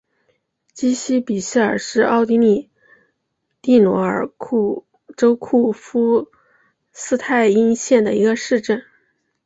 基希比希尔是奥地利蒂罗尔州库夫施泰因县的一个市镇。